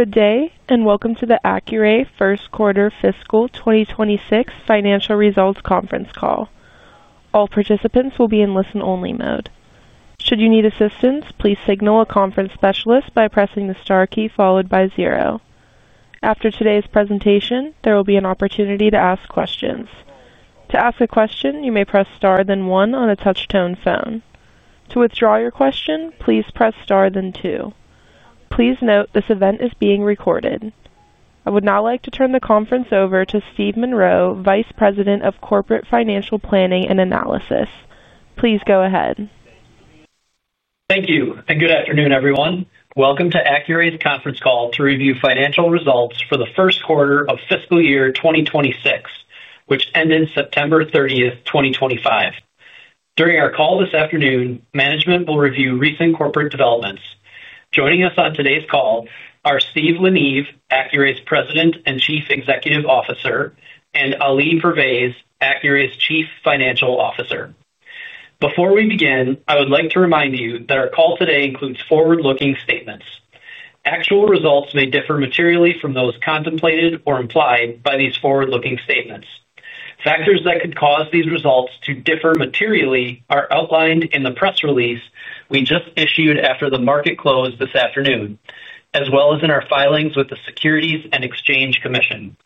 Good day, and welcome to the Accuray First Quarter Fiscal 2026 Financial Results Conference Call. All participants will be in listen-only mode. Should you need assistance, please signal a conference specialist by pressing the star key followed by zero. After today's presentation, there will be an opportunity to ask questions. To ask a question, you may press star then one on a touch-tone phone. To withdraw your question, please press star then two. Please note this event is being recorded. I would now like to turn the conference over to Stephen Monroe, Vice President of Corporate Financial Planning and Analysis. Please go ahead. Thank you, and good afternoon, everyone. Welcome to Accuray's conference call to review financial results for the first quarter of fiscal year 2026, which ends September 30, 2025. During our call this afternoon, management will review recent corporate developments. Joining us on today's call are Steve La Neve, Accuray's President and Chief Executive Officer, and Ali Pervaiz, Accuray's Chief Financial Officer. Before we begin, I would like to remind you that our call today includes forward-looking statements. Actual results may differ materially from those contemplated or implied by these forward-looking statements. Factors that could cause these results to differ materially are outlined in the press release we just issued after the market closed this afternoon, as well as in our filings with the Securities and Exchange Commission.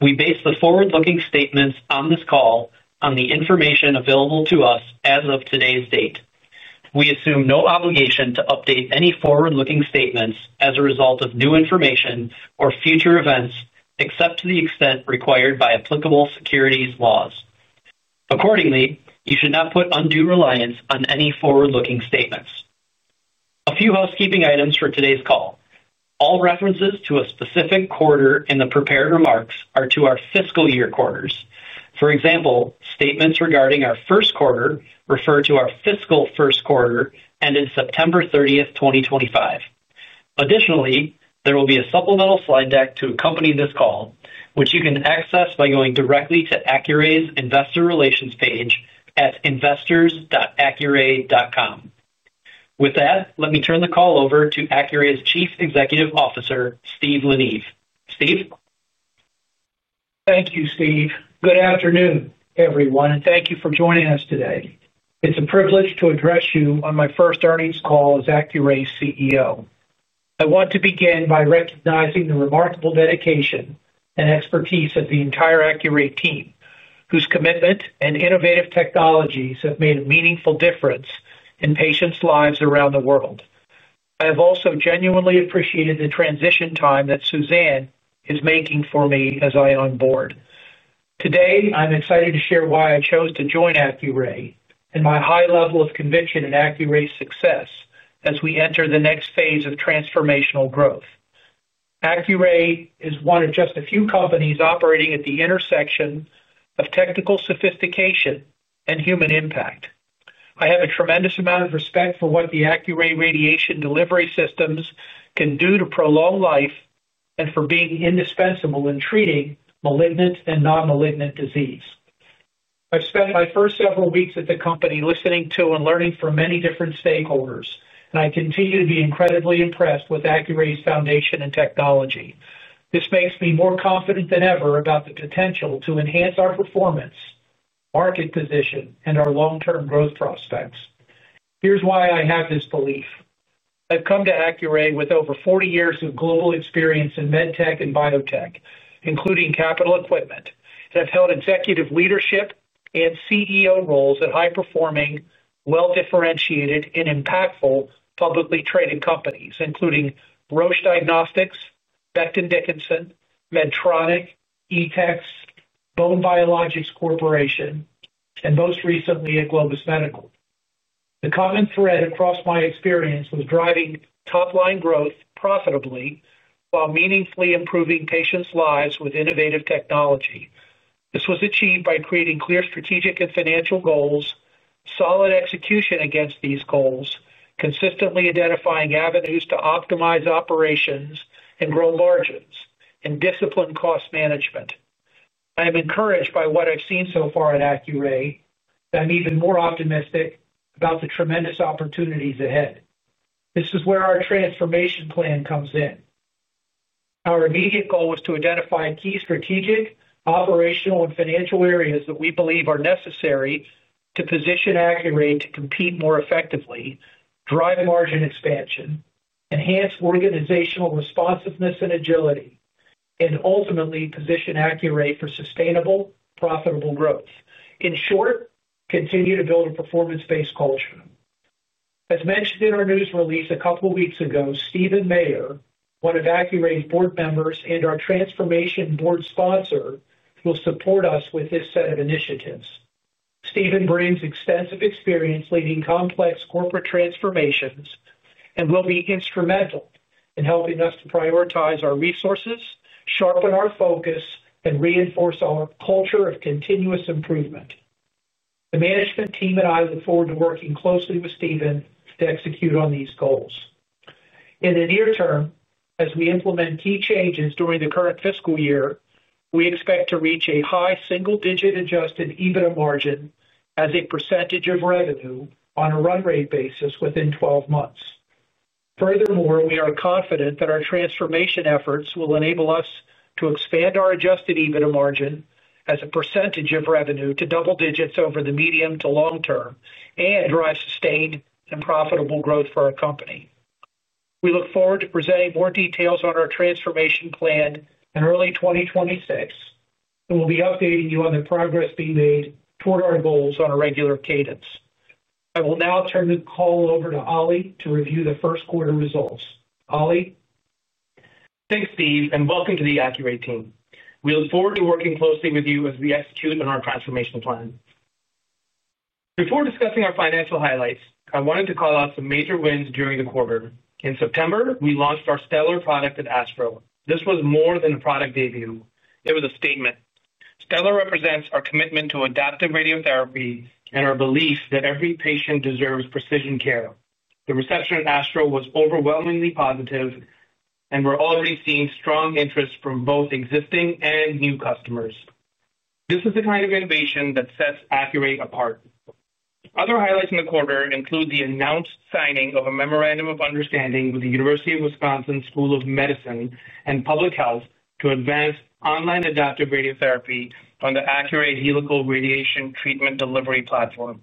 We base the forward-looking statements on this call on the information available to us as of today's date. We assume no obligation to update any forward-looking statements as a result of new information or future events, except to the extent required by applicable securities laws. Accordingly, you should not put undue reliance on any forward-looking statements. A few housekeeping items for today's call. All references to a specific quarter in the prepared remarks are to our fiscal year quarters. For example, statements regarding our first quarter refer to our fiscal first quarter ending September 30, 2025. Additionally, there will be a supplemental slide deck to accompany this call, which you can access by going directly to Accuray's Investor Relations page at investors.accuray.com. With that, let me turn the call over to Accuray's Chief Executive Officer, Steve La Neve. Steve? Thank you, Steve. Good afternoon, everyone, and thank you for joining us today. It's a privilege to address you on my first earnings call as Accuray's CEO. I want to begin by recognizing the remarkable dedication and expertise of the entire Accuray team, whose commitment and innovative technologies have made a meaningful difference in patients' lives around the world. I have also genuinely appreciated the transition time that Suzanne is making for me as I onboard. Today, I'm excited to share why I chose to join Accuray and my high level of conviction in Accuray's success as we enter the next phase of transformational growth. Accuray is one of just a few companies operating at the intersection of technical sophistication and human impact. I have a tremendous amount of respect for what the Accuray radiation delivery systems can do to prolong life and for being indispensable in treating Malignant and Non-Malignant disease. I've spent my first several weeks at the company listening to and learning from many different stakeholders, and I continue to be incredibly impressed with Accuray's foundation and technology. This makes me more confident than ever about the potential to enhance our performance, market position, and our long-term growth prospects. Here's why I have this belief. I've come to Accuray with over 40 years of global experience in Medtech and Biotech, including capital equipment. I've held executive leadership and CEO roles at high-performing, well-differentiated, and impactful publicly traded companies, including Roche Diagnostics, Becton Dickinson, Medtronic, Etext, Bowden Biologics Corporation, and most recently at Globus Medical. The common thread across my experience was driving top-line growth profitably while meaningfully improving patients' lives with innovative technology. This was achieved by creating clear strategic and financial goals, solid execution against these goals, consistently identifying avenues to optimize operations and grow margins, and disciplined cost management. I am encouraged by what I've seen so far at Accuray, and I'm even more optimistic about the tremendous opportunities ahead. This is where our transformation plan comes in. Our immediate goal is to identify key strategic, operational, and financial areas that we believe are necessary to position Accuray to compete more effectively, drive margin expansion, enhance organizational responsiveness and agility, and ultimately position Accuray for sustainable, profitable growth. In short, continue to build a performance-based culture. As mentioned in our news release a couple of weeks ago, Steven Mayer, one of Accuray's board members and our transformation board sponsor, will support us with this set of initiatives. Steven brings extensive experience leading complex corporate transformations and will be instrumental in helping us to prioritize our resources, sharpen our focus, and reinforce our culture of continuous improvement. The management team and I look forward to working closely with Steven to execute on these goals. In the near term, as we implement key changes during the current fiscal year, we expect to reach a high single-digit adjusted EBITDA margin as a percentage of revenue on a run-rate basis within 12 months. Furthermore, we are confident that our transformation efforts will enable us to expand our adjusted EBITDA margin as a percentage of revenue to double digits over the medium to long term and drive sustained and profitable growth for our company. We look forward to presenting more details on our transformation plan in early 2026. We will be updating you on the progress being made toward our goals on a regular cadence. I will now turn the call over to Ali to review the first quarter results. Ali? Thanks, Steve, and welcome to the Accuray team. We look forward to working closely with you as we execute on our transformation plan. Before discussing our financial highlights, I wanted to call out some major wins during the quarter. In September, we launched our Stellar product at Astro. This was more than a product debut. It was a statement. Stellar represents our commitment to adaptive radiotherapy and our belief that every patient deserves precision care. The reception at Astro was overwhelmingly positive, and we're already seeing strong interest from both existing and new customers. This is the kind of innovation that sets Accuray apart. Other highlights in the quarter include the announced signing of a memorandum of understanding with the University of Wisconsin School of Medicine and Public Health to Advance Online Adaptive Radiotherapy on the Accuray Helical Radiation Treatment Delivery Platform.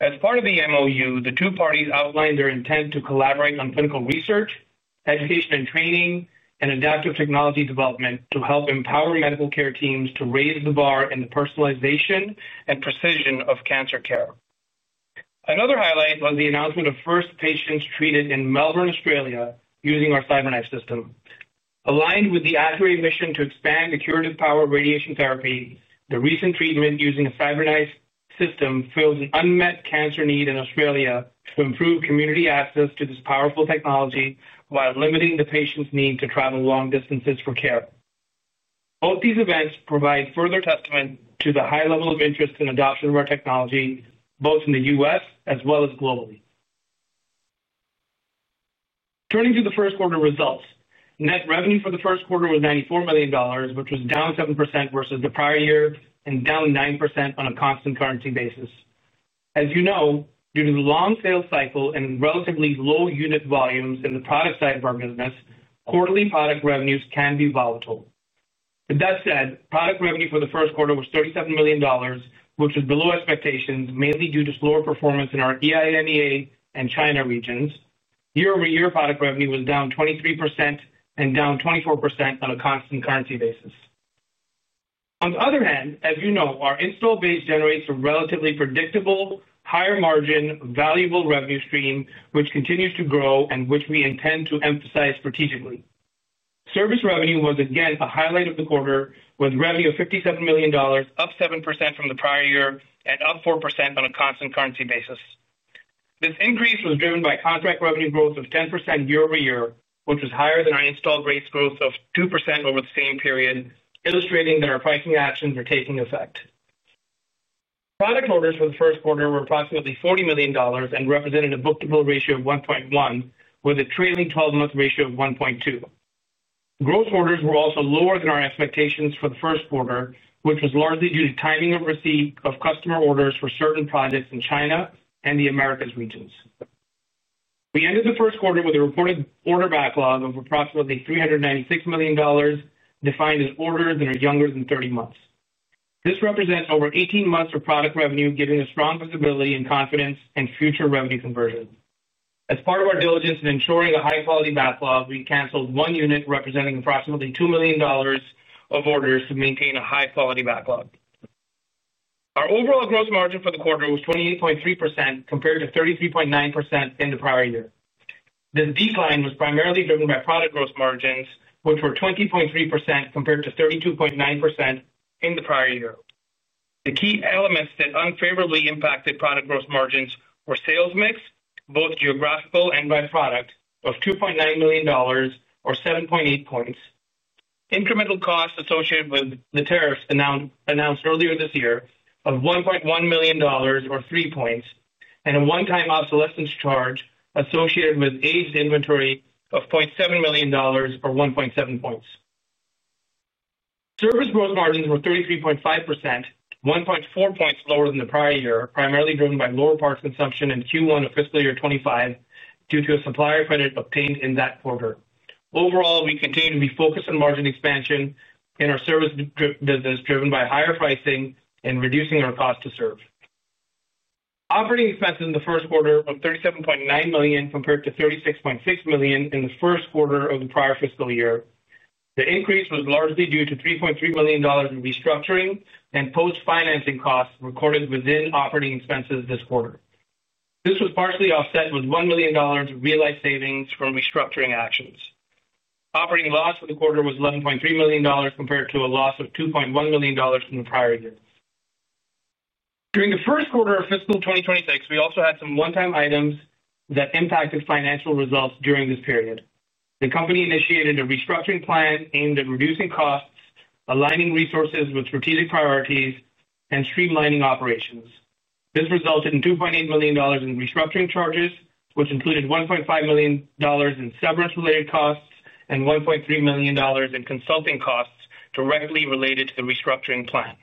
As part of the MOU, the two parties outlined their intent to collaborate on clinical research, education and training, and adaptive technology development to help empower medical care teams to raise the bar in the personalization and precision of cancer care. Another highlight was the announcement of first patients treated in Melbourne, Australia, using our CyberKnife system. Aligned with the Accuray mission to expand the curative power of radiation therapy, the recent treatment using a CyberKnife system fills an unmet cancer need in Australia to improve community access to this powerful technology while limiting the patient's need to travel long distances for care. Both these events provide further testament to the high level of interest in adoption of our technology, both in the U.S. as well as globally. Turning to the first quarter results, net revenue for the first quarter was $94 million, which was down 7% versus the prior year and down 9% on a constant currency basis. As you know, due to the long sales cycle and relatively low unit volumes in the product side of our business, quarterly product revenues can be volatile. With that said, product revenue for the first quarter was $37 million, which was below expectations, mainly due to slower performance in our EMEA and China regions. Year-over-year product revenue was down 23% and down 24% on a constant currency basis. On the other hand, as you know, our install base generates a relatively predictable, higher-margin, valuable revenue stream, which continues to grow and which we intend to emphasize strategically. Service revenue was, again, the highlight of the quarter, with revenue of $57 million, up 7% from the prior year and up 4% on a constant currency basis. This increase was driven by contract revenue growth of 10% year-over-year, which was higher than our installed rates growth of 2% over the same period, illustrating that our pricing actions are taking effect. Product orders for the first quarter were approximately $40 million and represented a book-to-bill ratio of 1.1, with a trailing 12-month ratio of 1.2. Gross orders were also lower than our expectations for the first quarter, which was largely due to timing of receipt of customer orders for certain projects in China and the Americas regions. We ended the first quarter with a reporting order backlog of approximately $396 million. Defined as orders that are younger than 30 months. This represents over 18 months of product revenue, giving us strong visibility and confidence in future revenue conversion. As part of our diligence in ensuring a high-quality backlog, we canceled one unit representing approximately $2 million of orders to maintain a high-quality backlog. Our overall gross margin for the quarter was 28.3% compared to 33.9% in the prior year. This decline was primarily driven by product gross margins, which were 20.3% compared to 32.9% in the prior year. The key elements that unfavorably impacted product gross margins were sales mix, both geographical and by product, of $2.9 million, or 7.8 points. Incremental costs associated with the tariffs announced earlier this year of $1.1 million, or 3 points, and a one-time obsolescence charge associated with aged inventory of $0.7 million, or 1.7 points. Service gross margins were 33.5%, 1.4 points lower than the prior year, primarily driven by lower parts consumption in Q1 of fiscal year 2025 due to a supplier credit obtained in that quarter. Overall, we continue to be focused on margin expansion in our service. That is driven by higher pricing and reducing our cost to serve. Operating expenses in the first quarter of $37.9 million compared to $36.6 million in the first quarter of the prior fiscal year. The increase was largely due to $3.3 million in restructuring and post-financing costs recorded within operating expenses this quarter. This was partially offset with $1 million in realized savings from restructuring actions. Operating loss for the quarter was $11.3 million compared to a loss of $2.1 million from the prior year. During the first quarter of fiscal 2026, we also had some one-time items that impacted financial results during this period. The company initiated a restructuring plan aimed at reducing costs, aligning resources with strategic priorities, and streamlining operations. This resulted in $2.8 million in restructuring charges, which included $1.5 million in service-related costs and $1.3 million in consulting costs directly related to the restructuring plan.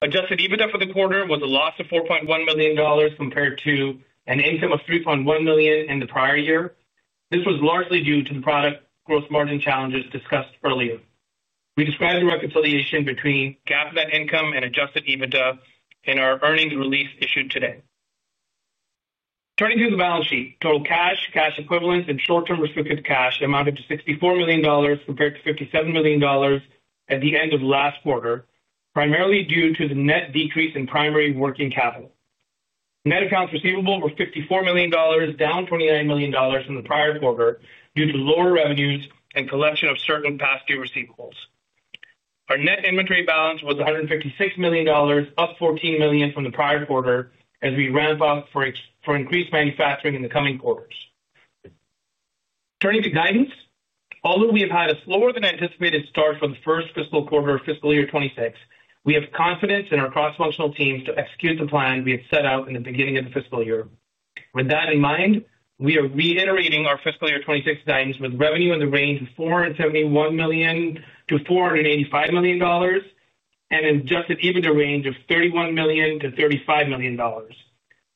Adjusted EBITDA for the quarter was a loss of $4.1 million compared to an income of $3.1 million in the prior year. This was largely due to the product gross margin challenges discussed earlier. We described the reconciliation between GAAP net income and adjusted EBITDA in our earnings release issued today. Turning to the balance sheet, total cash, cash equivalents, and short-term restricted cash amounted to $64 million compared to $57 million at the end of last quarter, primarily due to the net decrease in primary working capital. Net accounts receivable were $54 million, down $29 million from the prior quarter due to lower revenues and collection of certain past year receivables. Our net inventory balance was $156 million, up $14 million from the prior quarter as we ramp up for increased manufacturing in the coming quarters. Turning to guidance, although we have had a slower than anticipated start for the first fiscal quarter of fiscal year 2026, we have confidence in our cross-functional teams to execute the plan we have set out in the beginning of the fiscal year. With that in mind, we are reiterating our fiscal year 2026 guidance with revenue in the range of $471 million-$485 million and an adjusted EBITDA range of $31 million-$35 million.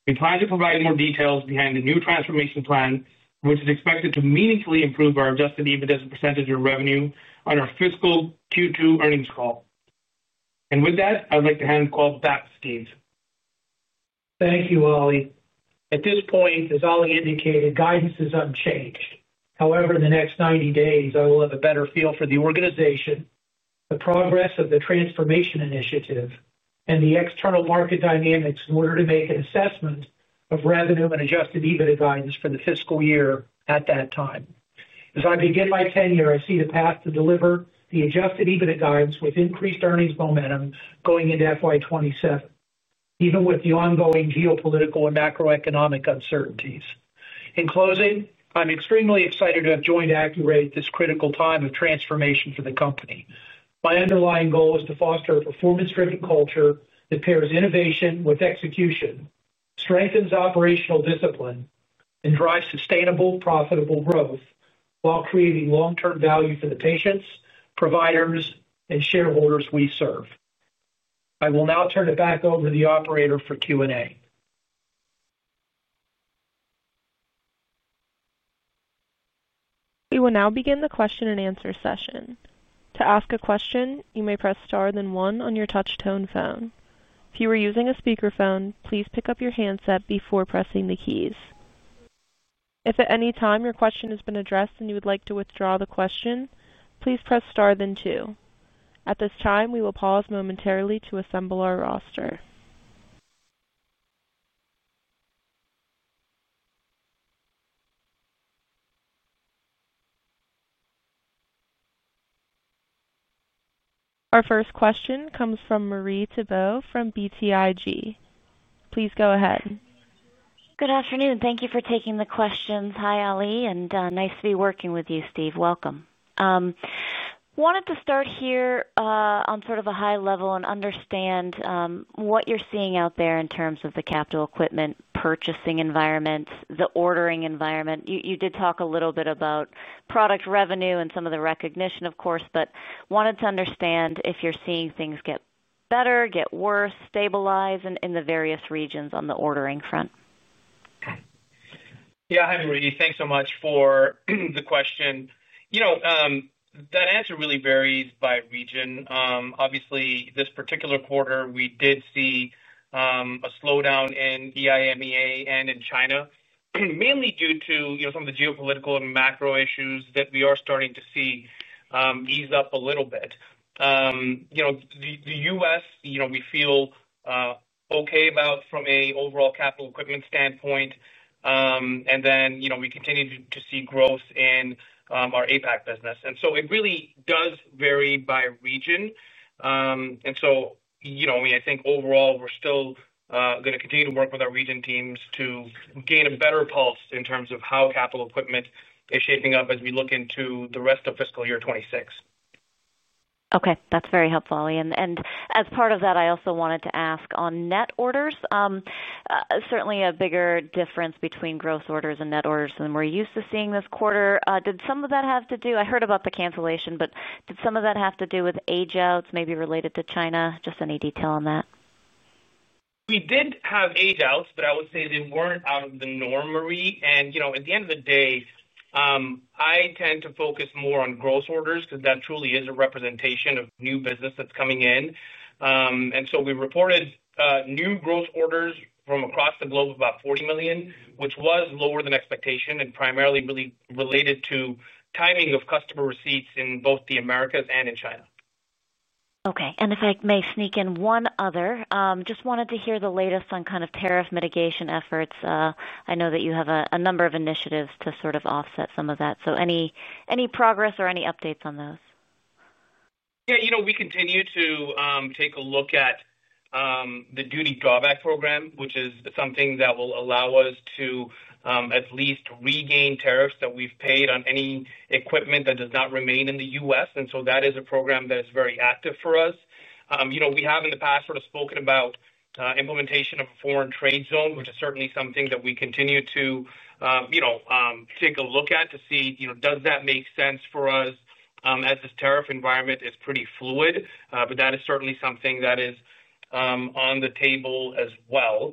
We plan to provide more details behind the new transformation plan, which is expected to meaningfully improve our adjusted EBITDA as a percentage of revenue on our fiscal Q2 earnings call. With that, I'd like to hand the call back to Steve. Thank you, Ali. At this point, as Ali indicated, guidance is unchanged. However, in the next 90 days, I will have a better feel for the organization, the progress of the transformation initiative, and the external market dynamics in order to make an assessment of revenue and adjusted EBITDA guidance for the fiscal year at that time. As I begin my tenure, I see the path to deliver the adjusted EBITDA guidance with increased earnings momentum going into FY 2027, even with the ongoing geopolitical and macroeconomic uncertainties. In closing, I'm extremely excited to have joined Accuray at this critical time of transformation for the company. My underlying goal is to foster a performance-driven culture that pairs innovation with execution, strengthens operational discipline, and drives sustainable, profitable growth while creating long-term value for the patients, providers, and shareholders we serve. I will now turn it back over to the operator for Q&A. We will now begin the question and answer session. To ask a question, you may press star then one on your touch tone phone. If you are using a speakerphone, please pick up your handset before pressing the keys. If at any time your question has been addressed and you would like to withdraw the question, please press star then two. At this time, we will pause momentarily to assemble our roster. Our first question comes from Marie Thibault from BTIG. Please go ahead. Good afternoon. Thank you for taking the questions. Hi, Ali, and nice to be working with you, Steve. Welcome. Wanted to start here on sort of a high level and understand what you're seeing out there in terms of the capital equipment purchasing environment, the ordering environment. You did talk a little bit about product revenue and some of the recognition, of course, but wanted to understand if you're seeing things get better, get worse, stabilize in the various regions on the ordering front. Yeah, hi, Marie. Thanks so much for the question. That answer really varies by region. Obviously, this particular quarter, we did see a slowdown in EMEA and in China, mainly due to some of the geopolitical and macro issues that we are starting to see ease up a little bit. The U.S., we feel okay about from an overall capital equipment standpoint. I mean, we continue to see growth in our APAC business. It really does vary by region. I think overall, we're still going to continue to work with our region teams to gain a better pulse in terms of how capital equipment is shaping up as we look into the rest of fiscal year 2026. Okay, that's very helpful, Ali. As part of that, I also wanted to ask on net orders. Certainly a bigger difference between gross orders and net orders than we're used to seeing this quarter. Did some of that have to do? I heard about the cancellation, but did some of that have to do with age outs, maybe related to China? Just any detail on that? We did have age outs, but I would say they weren't out of the norm, Marie. At the end of the day, I tend to focus more on gross orders because that truly is a representation of new business that's coming in. We reported new gross orders from across the globe of about $40 million, which was lower than expectation and primarily related to timing of customer receipts in both the Americas and in China. Okay. If I may sneak in one other, just wanted to hear the latest on kind of tariff mitigation efforts. I know that you have a number of initiatives to sort of offset some of that. Any progress or any updates on those? Yeah, you know we continue to take a look at the duty drawback program, which is something that will allow us to at least regain tariffs that we've paid on any equipment that does not remain in the U.S. That is a program that is very active for us. We have in the past sort of spoken about implementation of a foreign trade zone, which is certainly something that we continue to take a look at to see, does that make sense for us? As this tariff environment is pretty fluid, that is certainly something that is on the table as well.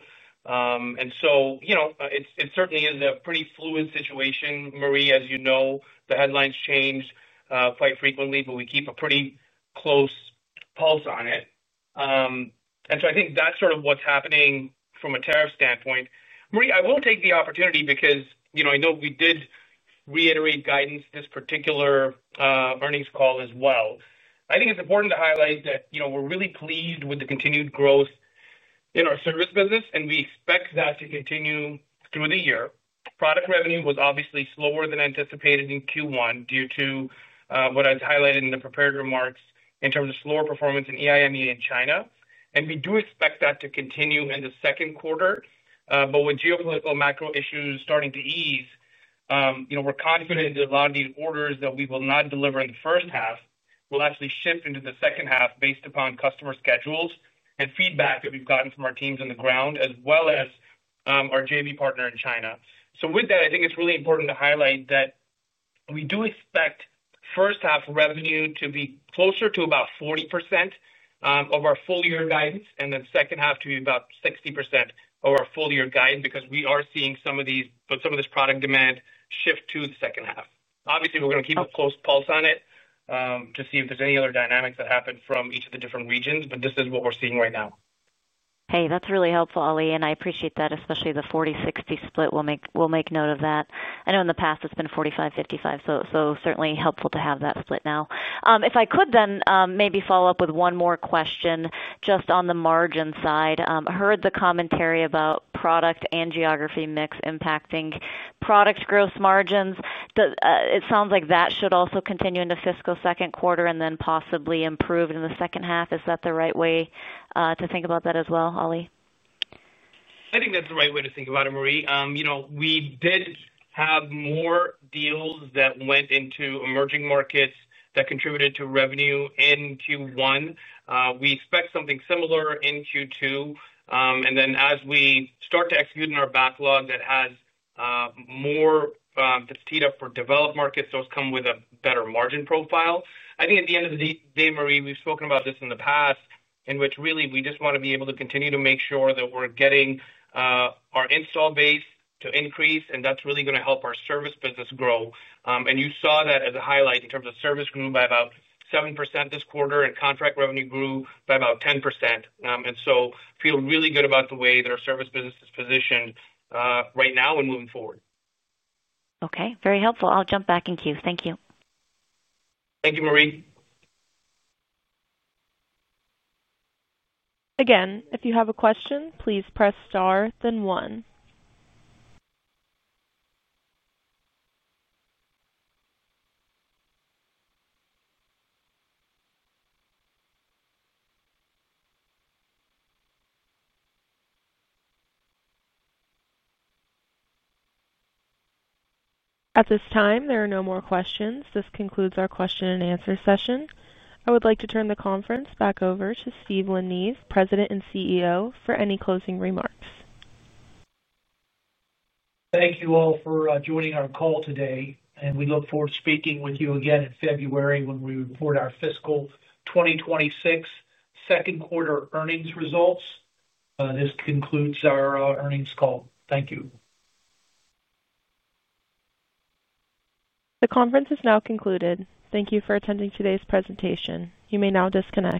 It certainly is a pretty fluid situation, Marie, as you know, the headlines change quite frequently, but we keep a pretty close pulse on it. I think that's sort of what's happening from a tariff standpoint. Marie, I will take the opportunity because I know we did reiterate guidance this particular earnings call as well. I think it's important to highlight that we're really pleased with the continued growth in our service business, and we expect that to continue through the year. Product revenue was obviously slower than anticipated in Q1 due to what I was highlighting in the prepared remarks in terms of slower performance in EMEA and China. We do expect that to continue in the second quarter. With geopolitical macro issues starting to ease, we're confident that a lot of the orders that we will not deliver in the first half will actually shift into the second half based upon customer schedules and feedback that we've gotten from our teams on the ground, as well as our JV partner in China. With that, I think it's really important to highlight that we do expect first half revenue to be closer to about 40% of our full year guidance and then second half to be about 60% of our full year guidance because we are seeing some of this product demand shift to the second half. Obviously, we're going to keep a close pulse on it to see if there's any other dynamics that happen from each of the different regions, but this is what we're seeing right now. Hey, that's really helpful, Ali, and I appreciate that, especially the 40-60 split. We'll make note of that. I know in the past it's been 45-55, so certainly helpful to have that split now. If I could then maybe follow up with one more question just on the margin side. I heard the commentary about product and geography mix impacting product gross margins. It sounds like that should also continue into fiscal second quarter and then possibly improve in the second half. Is that the right way to think about that as well, Ali? I think that's the right way to think about it, Marie. We did have more deals that went into emerging markets that contributed to revenue in Q1. We expect something similar in Q2. As we start to execute in our backlog that has more that's teed up for developed markets, those come with a better margin profile. I think at the end of the day, Marie, we've spoken about this in the past, in which really we just want to be able to continue to make sure that we're getting our install base to increase, and that's really going to help our service business grow. You saw that as a highlight in terms of service grew by about 7% this quarter and contract revenue grew by about 10%. I feel really good about the way that our service business is positioned right now and moving forward. Okay, very helpful. I'll jump back in queue. Thank you. Thank you, Marie. Again, if you have a question, please press star then one. At this time, there are no more questions. This concludes our question and answer session. I would like to turn the conference back over to Steve La Neve, President and CEO, for any closing remarks. Thank you all for joining our call today, and we look forward to speaking with you again in February when we report our fiscal 2026 second quarter earnings results. This concludes our earnings call. Thank you. The conference is now concluded. Thank you for attending today's presentation. You may now disconnect.